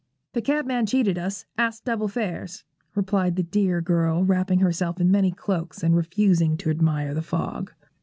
'The cabman cheated us, asking double fares,' replied the dear girl, wrapping herself in many cloaks and refusing to admire the fog.